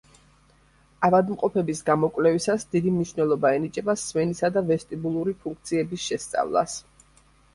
ავადმყოფების გამოკვლევისას დიდი მნიშვნელობა ენიჭება სმენისა და ვესტიბულური ფუნქციების შესწავლას.